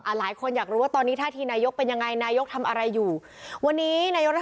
หลายคนอยากรู้ว่าตอนนี้ท่าทีนายกเป็นยังไง